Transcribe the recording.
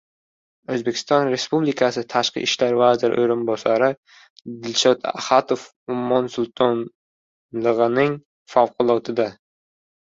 O‘zbekiston Respublikasi tashqi ishlar vaziri o‘rinbosari Dilshod Axatov Ummon Sultonligining favqulodda